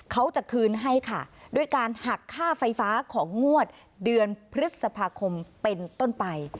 เขาจะคืนให้ค่ะด้วยการหักค่าไฟฟ้าของงวดเดือนพฤษภาคมเป็นต้นไป